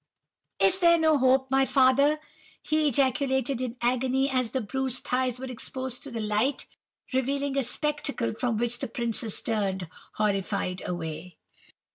"'Is there no hope, my father?' he ejaculated in agony as the bruised thighs were exposed to the light, revealing a spectacle from which the princes turned horrified away.